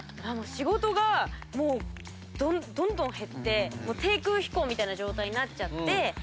仕事がどんどん減って低空飛行みたいな状態になっちゃって。